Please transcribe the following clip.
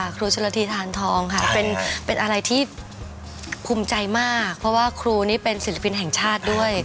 ครูชนละทีทานทองค่ะเป็นอะไรที่ภูมิใจมากเพราะว่าครูนี่เป็นศิลปินแห่งชาติด้วย